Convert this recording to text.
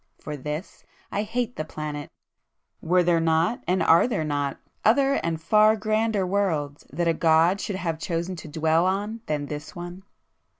For this I hate the planet;—were there not, and are [p 252] there not, other and far grander worlds that a God should have chosen to dwell on than this one!"